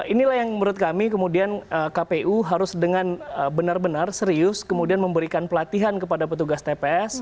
inilah yang menurut kami kemudian kpu harus dengan benar benar serius kemudian memberikan pelatihan kepada petugas tps